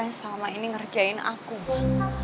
yang selama ini ngerjain aku banget